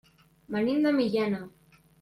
Venim de Millena.